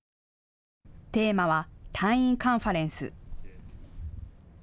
テーマは退院カンファレンス。